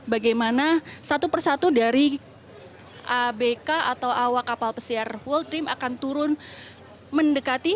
bagaimana satu persatu dari abk atau awak kapal pesiar world dream akan turun mendekati